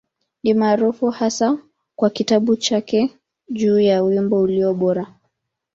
Ni maarufu hasa kwa kitabu chake juu ya Wimbo Ulio Bora.